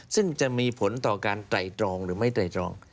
ซึ่งจะมีผลต่อการไตรตรองหรือไม่ไตรตรอง